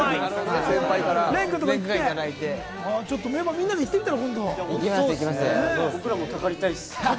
みんなで今度、行ってみたら？